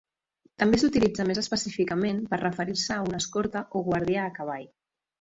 També s'utilitza més específicament per referir-se a un escorta o guàrdia a cavall.